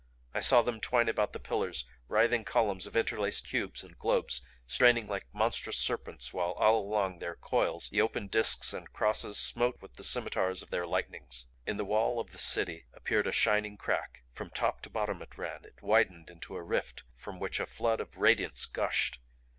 I saw them twine about the pillars writhing columns of interlaced cubes and globes straining like monstrous serpents while all along their coils the open disks and crosses smote with the scimitars of their lightnings. In the wall of the City appeared a shining crack; from top to bottom it ran; it widened into a rift from which a flood of radiance gushed.